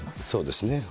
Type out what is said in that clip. そうですね。